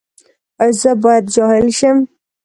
ایا زه باید جاهل شم؟